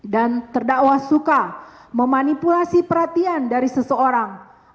dan terdakwa suka memanipulasi perhatian dari seseorang